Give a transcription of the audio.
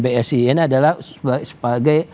bsi ini adalah sebagai